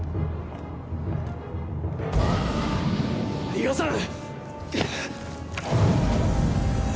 逃がさん！